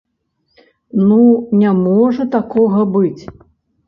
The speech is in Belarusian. Ну не можа такога быць!